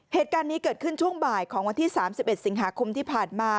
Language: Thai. เหตุการณ์นี้เกิดขึ้นช่วงบ่ายของวันที่๓๑สิงหาคมที่ผ่านมา